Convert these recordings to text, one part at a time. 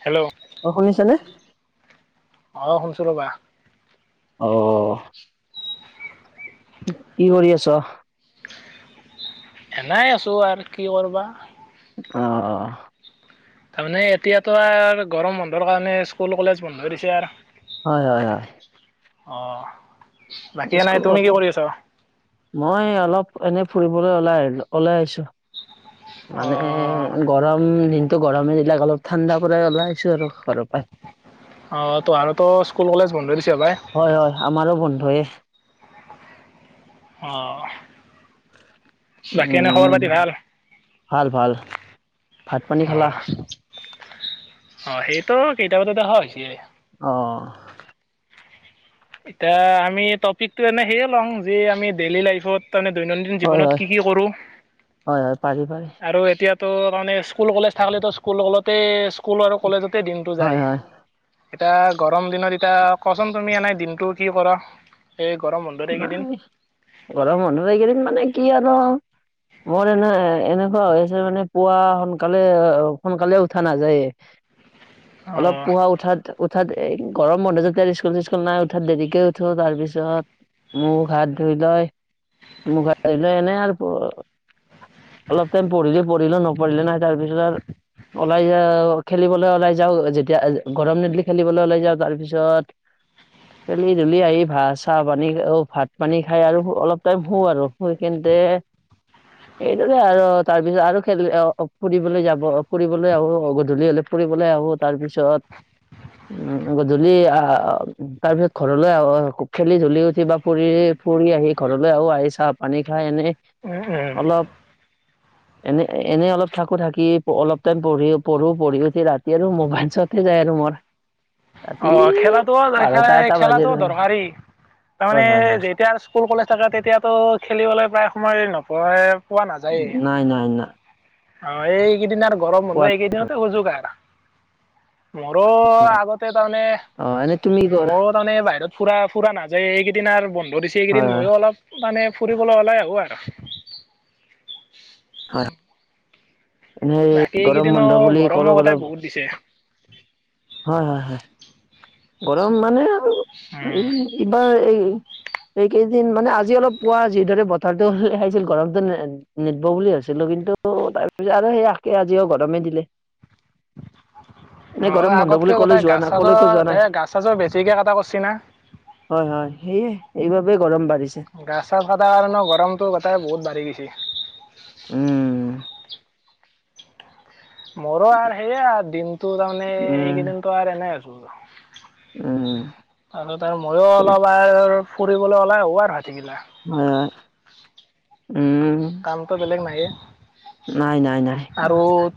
Hello অ' শুনিছানে। অ' শুনিছোঁ ৰ'বা। অ‌ অ' কি কৰি আছ? এনেই আছোঁ আৰ, কি কৰিবা? অঁ, অঁ' তাৰমানে এতিয়াতো আৰু গৰম বন্ধৰ কাৰণে স্কুল কলেজ বন্ধ দিছে আৰ। হয, হয়, হয়। অঁ' স্কুল‌ বন্ধ। মই অলপ এনেই ফুৰিবলৈ ওলাই আহিছো অকলে আহিছো অ মানে- গৰম দিনটো গৰমে দিলাক, অলপ ঠাণ্ডা পৰাই ওলাইছো আৰু ঘৰৰ পৰাই। অঁ তোহ আৰুটো স্কুল কলেজ বন্ধ দিছে সপায়। হয়, হয়, আমাৰো বন্ধয়ে। অঁ', বাকী এনেই খবৰ উম পাতি ভাল। ভাল, ভাল। ভাত পানী খালা? অঁ' অঁ' সেইটো কেইটা বজাতে হয় হেইয়ে। অঁ' এতিয়া, আমি টপিকটো এনেই সেয়ে লং, যে আমি ডেইলি লাইফত- তাৰমানে দৈনন্দিন হয় জীৱনত হয় কি কি কৰোঁ। হয় হয় পাৰি পাৰি আৰু এতিয়া- ত' তাৰমানে স্কুল কলেজ থাকিলে তো স্কুল কলেজতেই স্কুল আৰু কলেজতেই দিনটো হয় যায়। হয় এতিয়া গৰম দিনত এতিয়া কৱাচোন, তুমি এনেই দিনটো কি কৰা? এই গৰম বন্ধ ত। নাই, গৰম বন্ধ এইকেইদিন মানে কি আৰু। মোৰ এনেই এনেকুৱা হৈ আছে মানে পুৱা সোনকালে সোনকালে উঠা নাযায়েই। অলপ অ', পুৱা উঠাত- উঠাত গৰম বন্ধ যেতিয়া স্কুল চিস্কুল নাই, উঠাত দেৰিকে উঠোঁ তাৰপিছত- মুখ, হাত ধুই লয়। মুখ হাত ধুই লৈ এনেই আৰু প- অলপ টাইম পঢ়িলে পঢ়িলো, নপঢ়িলে নাই। তাৰপিছত- ওলাই যাও আৰু, খেলিবলৈ ওলাই যাওঁ। যেতিয়া গৰম নিদিলো খেলিবলে ওলাই যাওঁ, তাৰ পিছত- [inaudible] খেলি ধূলি আহি ভাত, চাহ, পানী- অ ভাত পানী খাই আৰু অলপ টাইম শু আৰু শুই কেন্তে- [inaudible] এইদৰে আৰু তাৰপিছত আৰু খেল ফুৰিবলৈ যাব, ফুৰিবলৈ আৰু গধূলি হ'লে- ফুৰিবলৈ আহোঁ, তাৰ পিছত- উম উম' গধূলি আহ তাৰ পিছত ঘৰলৈ আহো খেলি ধূলি- কিবা ফুৰি, ফুৰি আহি ঘৰলৈ আহো আহি চাহ পানী খাই এনেই- উম, উম। অলপ- এনে এনেই অলপ থাকো, থাকি অলপ টাইম পঢ়ি পঢ়ো পঢ়ি উঠি ৰাত- এতিয়া আৰু মোবাইল চোৱাতে যায় আৰু মোৰ। ৰাতি অ', খেলাটো, বাৰটা এটা বাজে খেলাটো আৰু দৰকাৰী। হয় হয় তাৰমানে হয় যেতিয়া স্কুল কলেজ থাকে তেতিয়াতো খেলিবলৈ প্ৰায় সময় নপৰেৰে। পোৱা নাযায়েই নাই নাই নাই অ, এইকেইদিন আৰু। গৰম কোৱা বন্ধ এইকেইদিনতে হুজুক আৰু। মোৰো আগতে, অ এনে তুমি কি তাৰমানে কৰা মোৰ। তাৰমানে বাহিৰত ফুৰা ফুৰা নাযায় এইকেইদিন, আৰু বন্ধ দিছে হয় এইকেইদিন হয় ময়ো অলপ। মানে ফুৰিবলৈ ওলাই আহোঁ আৰু। হয় এনে বাকী গৰম এইকেইদিনো বন্ধ বুলি গৰমৰ ক'লে গটাই গ'লে বহুত দিছে, হয়, হয়, হয়। গৰম মানে আৰু উম। এই এইবাৰ এই। এইকেইদিন মানে আজি অলপ, পোৱা যিদৰে বতৰতো [unintelligible] গৰমটো নিদব বুলি ভাবছিলো কিন্তু তাৰপিছত আৰু সেই একে আজিও গৰমে দিলে এনে অ গৰম বন্ধ আগতকে বুলি কলৈ কটাই যোৱা গাছ নাই কলৈকো চাজৰ যোৱা এ নাই গাছ চাছৰ বেছিকৈ কটা কৰিছে না হয় হয় সেয়ে সেইবাবে গৰম বাঢ়িছে গাছ চাছ কাটাৰ কাৰণে গৰমটো গোটেই বহুত বাঢ়ি গৈছে উম মোৰো আৰ সেইয়ে আৰ দিনটো তাৰমানে উম এইকেইদিনতো আৰু এনে আছো উম আৰু তাৰ মইও হয় অলপ আৰু ফুৰিবলৈ ওলাই আহো আৰ হৈ থাকিলা হয় উম কামটো বেলেগ নাইেয়ে নাই নাই নাই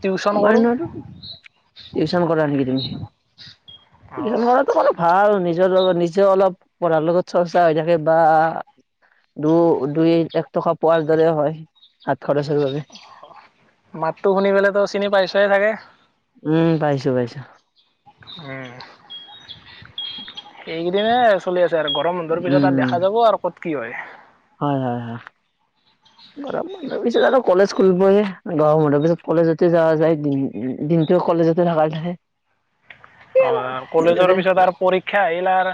টিউশ্যন কৰোঁ নো আৰু কি টিউচন কৰা নেকি তুমি অঁ টিউশন কৰাটো বাৰু ভাল নিজৰ লগত নিজেও অলপ পঢ়াৰ লগত চৰ্চা হৈ থাকে বা দু দুই এক টকা পোৱাৰ দৰে হয় হাত খৰচৰ বাবে মাতটো শুনি পেলাই তো চিনি পাইছয়ে চাগে উম পাইছো পাইছো উম এই কেইদিনে চলি আছে আৰু গট গৰমৰ বন্ধৰ পিছত আৰ উম। দেখা যাব আৰু ক'ত কি হয় হয় হয় হয় [inaudible] গৰম বন্ধৰ পিছত আৰু কলেজ খুলবয়ে হে গৰম বন্ধৰ পিছত কলেজতে যাৱা যায় দি দিনটো কলেজতে থকাল থাকে অ কলেজৰ পিছত আৰু পৰীক্ষা আহিল আৰ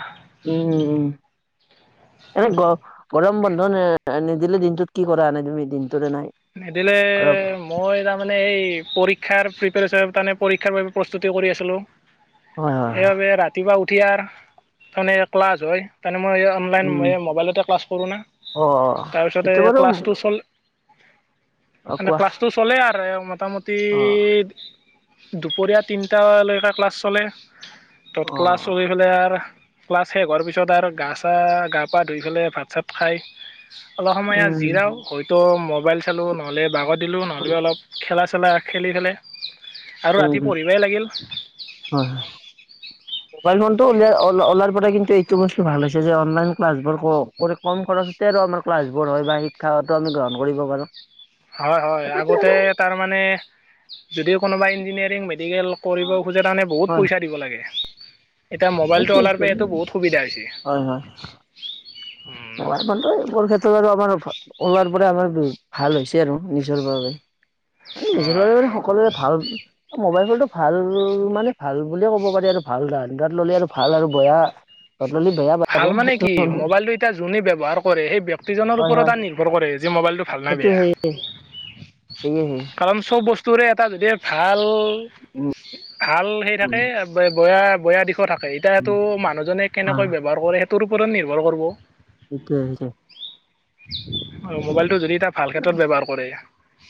উম উম এনে গৰম বন্ধ নিদিলে দিনটোত কি কৰা এনে তুমি দিনটোত এনাই নদিলে মই তাৰ মানে এই পৰীক্ষাৰ প্ৰিপেৰেচনৰ তাৰমানে পৰীক্ষাৰ বাবে প্ৰস্তুতি কৰি আছিলো হয়, হয়, হয়। সেইবাবে ৰাতিপুৱা উঠি আৰ তৰমানে ক্লাছ হয় তৰমানে মইও অনলাইন উম। মই এই ম'বাইলতে ক্লাছ কৰোঁ না অ', অ, তাৰপিছতে সেইটো বাৰু ক্লাছটো চল অ', মানে কোৱা ক্লাছটো চলে আৰু এ মোটামুটি অ'। দুপৰীয়া তিনটালৈকে ক্লাছ চলে তত ক্লাছ অ', চলি পেলাই আৰ ক্লাছ শেষ হোৱাৰ পিছত আৰু গা চা গা পা ধুই পেলাই ভাত চাত খাই অলপ সময় ইয়াত উম। জিৰাও হয়তো মোবাইল চালো নহ'লে বাগৰ দিলো নহলে উম, অলপ খেলা চেলা খেলি পেলাই আৰু ৰাতি উম, পঢ়িবাই লাগিল হয় হয় মোবাইল ফোনটো উলিয়াৰ ওলাৰ পৰায়ে কিন্তু ইটো বস্তু ভাল হৈছে যে অনলাইন ক্লাছবোৰ ক কম খৰচতে আৰু আৰ ক্লাছবোৰ হয় বা শিক্ষাটো আমি গ্ৰহণ কৰিব পাৰোঁ। হয় হয় আগতে তাৰ মানে যদিও কোনোবায়ে ইঞ্জিনিয়াৰিং‌ মে মেডিকেল কৰিব খোজে কাৰণে বহুত পইচা দিব লাগে। এতিয়া মানে মোবাইলটো অওলাৰ বাবে ফিজিকেলি এইটো বহুত সুবিধা হৈছে। হয় হয় উম [inaudible] ক্ষেত্ৰত আৰু আমাৰ ওলাৰ পৰা আমাৰ ভাল হৈছে আৰু নিজৰ বাবে। মানে নিজৰ বাবে হয় মানে সকলোৰে ভাল মোবাইল ফনটো ভাল মানে ভাল বুলিয়ে ক'ব পাৰি আৰু ভাল ধান দাত ল'লে আৰু ভাল আৰু বয়া ললি বেয়া ভাল বাৰু মানে সেইটো কি কলো। মোবাইলটো এতিয়া যোনে ব্যৱহাৰ কৰে সেই ব্যক্তিজনৰ হয় ওপৰত হয় তাৰ নিৰ্ভৰ কৰে যিয়ে মোবাইলটো ভাল না সেইটো বেয়া হয় এ কাৰণ চব বস্তুৰে এটা যদি ভাল ভাল সেই উম থাকে বয়া বয়া দিশো থাকে। এতিয়া উম সেইটো মানুহজনে হয় কেনেকৈ ব্যৱহাৰ কৰে সেইটোৰ ওপৰত নিৰ্ভৰ কৰিব। সেইটোয়ে সেইটোয়ে। আৰু মোবাইলটো যদি এটা ভাল ক্ষেত্ৰত ব্যৱহাৰ কৰে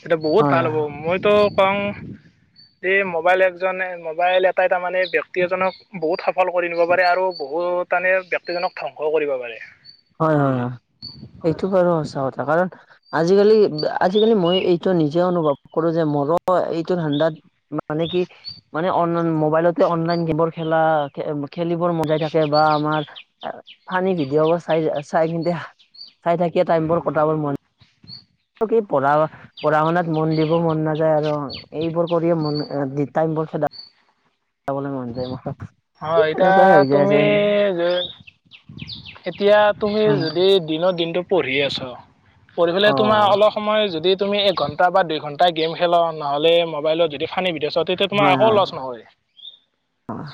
তেতিয়া বহুত হয় ভাল হ'ব। হয় মইতো কওঁ এই মোবাইল একজনে মোবাইল এটাই তাৰমানে ব্যক্তি এজনক বহুত সফল কৰি নিব পাৰে আৰু বহুত তানে বিয়ক্তিজনক ধ্বংস ও কৰিব পাৰে। হয় হয় হয় এইটো বাৰু সঁচা কথা কাৰণ আজিকালি আজিকালি মই এইটো নিজে অনুভৱ কৰো যে মোৰো এইটো ঠাণ্ডাত মানে কি মানে অন মোবাইলতে অনলাইন গেমৰ খেলা খেলিবোৰ মজাই থাকে বা আমাৰ ফানি ভিডিঅ' চা চাই চাই কিন্ত চাই থাকিয়ে টাইম বোৰ কটাবৰ মন পঢ়া পঢ়া শুনাত মন দিব মন নাযায় আৰু এইবোৰ কৰিয়ে মন দী টাইম বোৰ খেদা কি হয়, এতিয়া তেনেকুৱাই হৈ যায় আছে তুমি যে এতিয়া তুমি হয় যদি দিনৰ দিনটো পঢ়ি আছ পঢ়ি অ পেলাই তোমাৰ অলপ সময় যদি তুমি এক ঘণ্টা বা দুই ঘণ্টাই গেম খেলা নহ'লে মোবাইলত যদি ফানি ভিডিঅ চোৱাত তেতিয়া তোমাৰ হয় একো হয় লচ নহয়।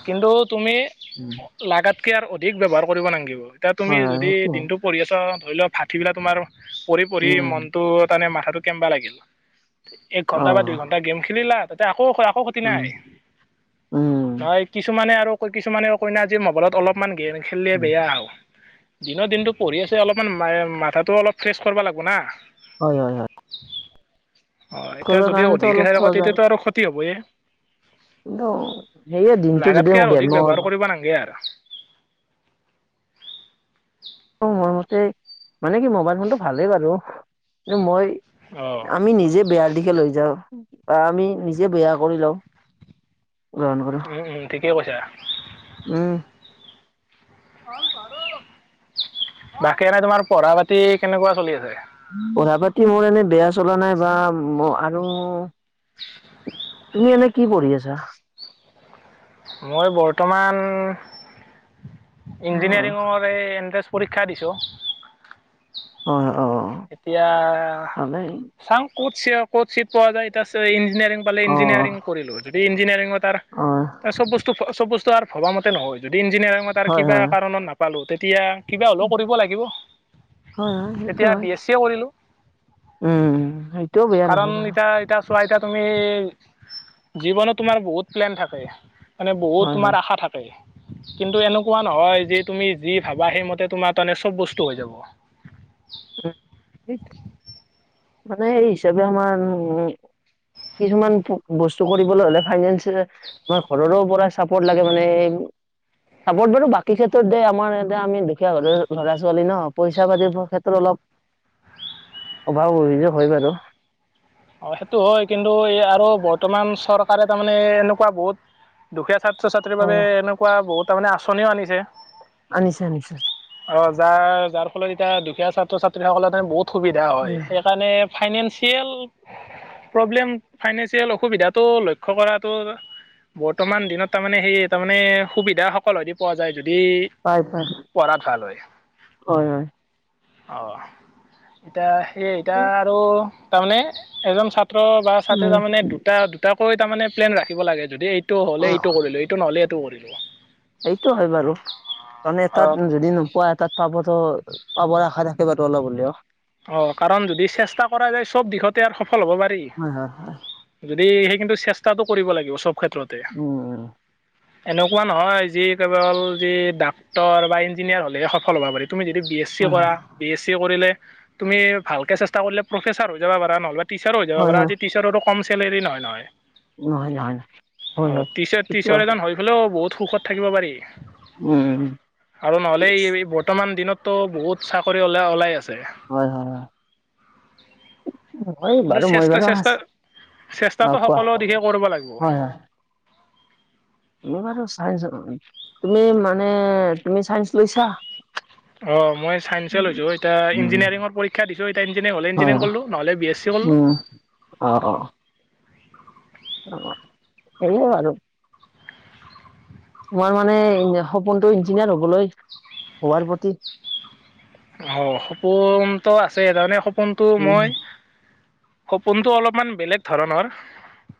কিন্তু তুমি লাগাতকে আৰু অধিক ব্যৱহাৰ কৰিব নালগিব এতিয়া তুমি হয় হয় যদি সেইটো দিনটো পঢ়ি আছ ধৰি লও ভাতি বিলা তোমাৰ পঢ়ি পঢ়ি উম, মনতটো তাৰমানে মাথাটো কেনবা লাগিল এক ঘণ্টা বা দুই অ', ঘণ্টা গেম খেলিলা তাতে আকৌ আকৌ ক্ষতি উম। নাই উম, নহয় কিছুমানে আৰু কয় কিছুমানে কয় না আজি মোবাইলত অলপমান গেম খেলিলে উম, বেয়া। দিনৰ দিনতটো পঢ়ি আছে অলপমান মাথাটো অলপ ফ্ৰেচ কৰবা লাগবনা। হয় হয় হয়। হয়, এতিয়া কৰিবৰ যদি কাৰণেতো অধিক অলপ এঠাই থকা সহজ হয়, তেতিয়াতো আৰু ক্ষতি হবয়ে। কিন্তু সেয়ে দিনটো যদি মোৰ গেমত কুৱা নাংগে আৰো। অ মই মতে মানে কি মোবাইল ফোনটো ভালেই বাৰু, এইটো মই অ আমি নিজে বেয়াৰ দিশে লৈ যাওঁ বা আমি নিজে বেয়া কৰি লওঁ। গ্ৰহণ কৰোঁ, উম উম ঠিকেই কৈছা উম। [inaudible] বাকী এনে তোমাৰ পঢ়া পাতি কেনেকুৱা চলি আছে? পঢ়া পাতি মোৰ এনেই বেয়া চলা নাই বা ম আৰু তুমি এনে কি পঢ়ি আছা? মই বৰ্তমান অ', ইঞ্জিনিয়াৰিঙৰ বাবে এন্তেৰেঞ্চ পৰীক্ষা দিছো। হয় অ এতিয়া ভালেই, চাওঁ কত কত চিত পোৱা যায় এতিয়া ইঞ্জিনিয়াৰিং পালে অ', ইঞ্জিনিয়াৰিং কৰিলো যদি ইঞ্জিনিয়াৰিঙৰ তাৰ অ', তাৰ চব বস্তু চব বস্তু আৰু ভবা মতে নহয় যদি ইঞ্জিয়াৰং মতে তাৰ হয়, কিবা হয়, কাৰণত নাপালো তেতিয়া কিবা হ'লেও কৰিব লাগিব হয়, হয়, সেইটো তেতিয়া হয়। বি চি এ কৰিলো উম সেইটোয়ও বেয়া কাৰণ নহয় বাৰু। এতিয়া এতিয়া চোৱা এতিয়া তুমি জীৱনত তোমাৰ বহুত প্লেন থাকে। মানে বহুত হয়, হয়। তোমাৰ আশা থা কে কিন্তু এনেকুৱা নহয় যে তুমি যি ভাবা সেইমতে তোমাৰ তাৰমানে চব বস্তু হৈ যাব। উম সেইটোৱে। মানে এই হিচাপে আমাৰ উম কিছুমান বস্তু কৰিবলৈ হ'লে ফাইনেন্স আমাৰ ঘৰৰো পৰা চাপৰ্ট লাগে মানে চাপৰ্ট বাৰু বাকী ক্ষেত্ৰত দেই আমাৰ এতিয়া আমি দুখীয়া ল'ৰা ছোৱালী ন পইচা পাতিৰ ক্ষেত্ৰত অলপ বা অভিযোগ হয় বাৰু। অ', সেইটো হয়, কিন্তু এই আৰু বৰ্তমান চৰকাৰে তাৰমানে এনেকুৱা বহুত দুখীয়া ছাত্ৰ ছাত্ৰীৰ বাবে অ', এনেকুৱা বহুত তাৰমানে আঁচনিও আনিছে। আনিছে, আনিছে। অ', যাৰ, যাৰ ফলত এতিয়া দুখীয়া ছাত্ৰ ছাত্ৰী সকলৰ কাৰণে বহুত সুবিধা হয় সেইকাৰণে ফাইনেন্সিয়েল প্ৰব্লেম ফাইনেন্সিয়েল অসুবিধাটো লক্ষ্য কৰাটো বৰ্তমান দিনত তাৰমানে সেই তাৰমানে সুবিধা সকলোৰে পোৱা যায় যদি পাই, পাই। পঢ়াত ভাল হয়। হয়, হয়। অহ, এতিয়া সেয়ে এতিয়া আৰু তাৰমানে এজন ছাত্ৰ বা ছাত্ৰ উম, তাৰমানে দুটা দুটাকৈ তাৰমানে প্লেন ৰাখিব লাগে যদি এইটো হ'লে এইটো অ', কৰিলো, এইটো নহ'লে এইটো কৰিলো। সেইটো হয় বাৰু মানে এটাত যদি নোপোৱা এটাত পাবতো, পাবৰ আশা থাকে বাৰু অলপ হলেও। অ', কাৰণ যদি চেষ্টা কৰা যায় চব দিশতে আৰু সফল হ'ব পাৰি। হয়, হয়, হয়, যদি সেই কিন্তু চেষ্টাটো কৰিব লাগিব চব ক্ষেত্ৰতে। উম, এনেকুৱা নহয় যি কেৱল যি ডাক্তৰ বা ইঞ্জিনিয়াৰ হ'লেহে সফল হ'বা পাৰি, তুমি যদি বি এছ ছি হয়, হয়, কৰা, বি এছ ছি কৰিলে, তুমি ভালকে চেষ্টা কৰিলে প্ৰফেছাৰ হৈ যাবা পাৰা। নহ'লে টিচাৰো হৈ যাবা হয়, পাৰা, হয়। আজি টিচাৰৰো কম চেল্লেৰী নহয় নহয়। নহয় নহয় নহয় হয় অ', হয় টিচ সেইটো টিচাৰ হয় এজন হৈ পেলেও বহুত সুখত থাকিব পাৰি। উম। আৰু নহ'লে এই, এই বৰ্তমান দিনতো বহুত চাকৰি ওলা ওলাই আছে। হয়, হয়। অই কিন্তু বাৰু মই চেষ্টা বাৰু অহ চেষ্টা চেষ্টাটো কোৱা সকলো দিশে কৰিব লাগিব। হয় হয় মই বাৰু চাইন্সৰ, তুমি মানে তুমি চাইন্স লৈছা? অ' মই ছাইন্সে লৈছোঁ। এতিয়া উম ইঞ্জিনিয়াৰিংৰ পৰীক্ষা দিছোঁ, এতিয়া ইঞ্জিনিয়াৰিং হ'লে হয় ইঞ্জিনিয়াৰিং ক'ল্লো নহ'লে বি এছ চি কল্লো। উম অ' অ'। সেইয়া আৰু। তোমাৰ মানে সপোনটো ইঞ্জিনিয়াৰ হবলৈ। হোৱাৰ প্ৰতি অ' সপোনটো আছে, তাৰমানে সপোনটো উম মই সপোনটো অলপমান বেলেগ ধৰণৰ।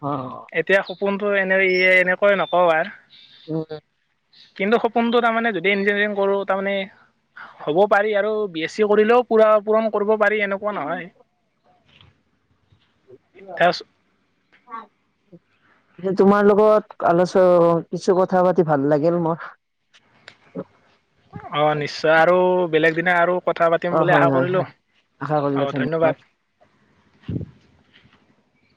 অ'। এতিয়া সপোনটো এনে ই এনেকৈ নকওঁ আৰ। [unintelligible] কিন্তু সপোনটো তাৰমানে যদি ইঞ্জিনিয়াৰিং কৰোঁ, তাৰমানে হ'ব। এতিয়া আৰু বি এছ চি কৰিলেও পুৰা পূৰণ কৰিব পাৰি এনেকুৱা নহয়। অ' [unintelligible] তোমাৰ লগত আলোচ কিছু কথা পাতি ভাল লাগিল মোৰ। অ' নিশ্চয় আৰু বেলেগ দিনা আৰু কথা অ পাতিম বুলি হয় আশা হয় কৰিলোঁ। হয় আশা কৰিলো অঁ, ধন্যবাদ!